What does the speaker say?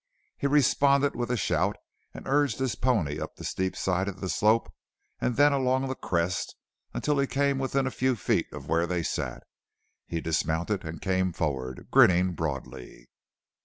He responded with a shout and urged his pony up the steep side of the slope and then along the crest until he came within a few feet of where they sat. He dismounted and came forward, grinning broadly.